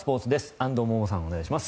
安藤萌々さん、お願いします。